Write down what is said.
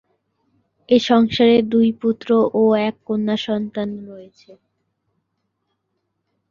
এ সংসারে দুই পুত্র ও এক কন্যা সন্তান রয়েছে।